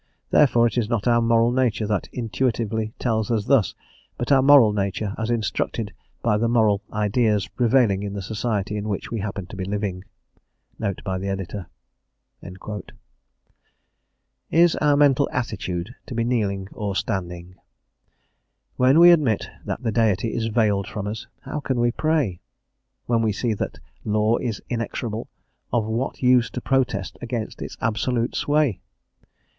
Therefore it is not our moral nature that intuitively tells us thus, but our moral nature as instructed by the moral ideas prevailing in the society in which we happen to be living. Note by the Editor. "Is our mental attitude to be kneeling or standing?" When we admit that the Deity is veiled from us, how can we pray? When we see that that law is inexorable, of what use to protest against its absolute sway?